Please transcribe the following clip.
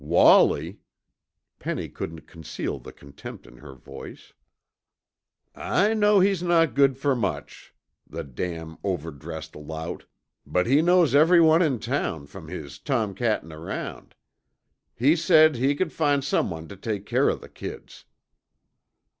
"Wallie!" Penny couldn't conceal the contempt in her voice. "I know he's not good fer much, the damn overdressed lout, but he knows everyone in town from his tomcattin' around. He said he c'd find someone tuh take care of the kids."